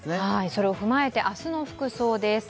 それを踏まえて明日の服装です。